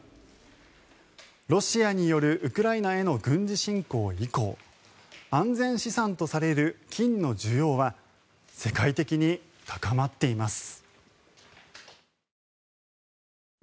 ロシアによるウクライナへの軍事侵攻以降安全資産とされる金の需要は世界的に高まっています。